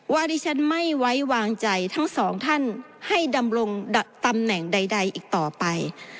ที่ฉันไม่ไว้วางใจทั้งสองท่านให้ดำรงตำแหน่งใดอีกต่อไป